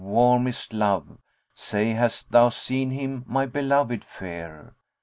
warmest love; * Say, hast thou seen him my beloved fere?